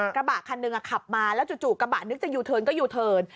กระบะคันหนึ่งขับมาแล้วจู่กระบะนึกจะยูเทิร์นก็ยูเทิร์น